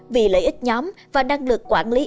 vì lợi ích nhóm và năng lực quản lý